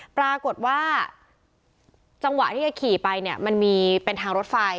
ปรากฏว่าจังหวะที่แกขี่ไปเนี่ยมันมีเป็นทางรถไฟ